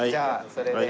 それで。